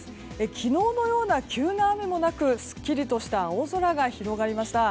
昨日のような急な雨もなくすっきりとした青空が広がりました。